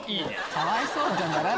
かわいそうじゃん！